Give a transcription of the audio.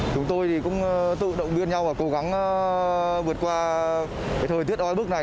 chúng tôi cũng tự động viên nhau và cố gắng vượt qua thời tiết oai bước này